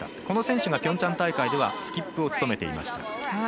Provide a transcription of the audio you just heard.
この選手がピョンチャン大会ではスキップを務めていました。